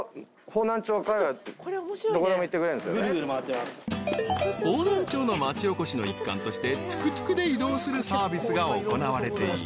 ［方南町の町おこしの一環としてトゥクトゥクで移動するサービスが行われている］